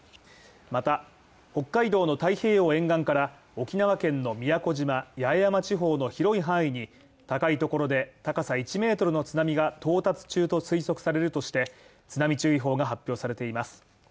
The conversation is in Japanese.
また、北海道の太平洋沿岸から、沖縄県の宮古島・八重山地方の広い範囲に高いところで、高さ１ｍの津波が到達中と推測されるとして、津波注意報が発表されています。